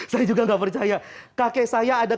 saya juga nggak percaya kakek saya ada